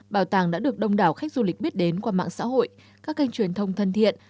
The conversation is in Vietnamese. bảo tàng đã được đông đảo khách du lịch biết đến qua mạng xã hội các kênh truyền thông thân thiện